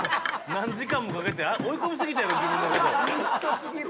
何時間もかけて追い込みすぎたやろ自分の事。